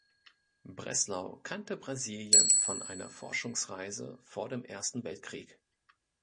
Bresslau kannte Brasilien von einer Forschungsreise vor dem Ersten Weltkrieg.